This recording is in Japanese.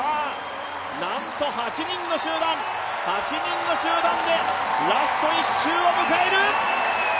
なんと８人の集団でラスト１周を迎える。